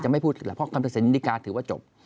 จะไม่พูดเพราะคำตัดสินนิการถือว่าจบ